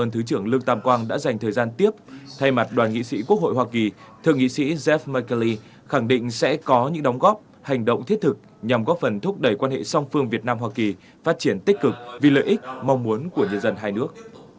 thượng nghị sĩ quốc hội hoa kỳ thượng nghị sĩ jeff mckinley khẳng định sẽ có những đóng góp hành động thiết thực nhằm góp phần thúc đẩy quan hệ song phương việt nam hoa kỳ phát triển tích cực vì lợi ích mong muốn của nhân dân hai nước